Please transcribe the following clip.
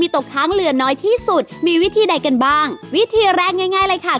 ตกค้างเหลือน้อยที่สุดมีวิธีใดกันบ้างวิธีแรกง่ายเลยค่ะ